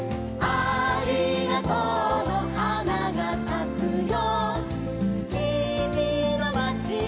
「ありがとうのはながさくよ」